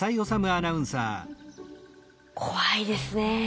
怖いですね。